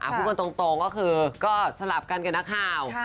พูดกันตรงก็คือก็สลับกันกับนักข่าว